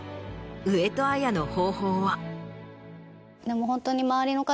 上戸彩の方法は？